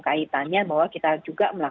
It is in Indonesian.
kaitannya bahwa kita juga